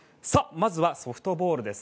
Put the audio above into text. まずは、ソフトボールです。